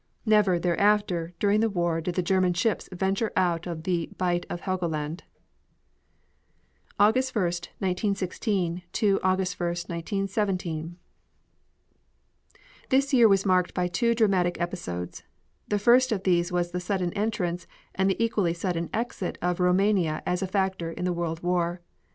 Never, thereafter, during the war did the German ships venture out of the Bight of Helgoland. AUGUST 1, 1916 AUGUST 1, 1917 This year was marked by two dramatic episodes. The first of these was the sudden entrance and the equally sudden exit of Roumania as a factor in the World War.